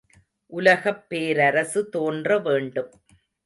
உலகப் பேரரசு தோன்ற வேண்டும்.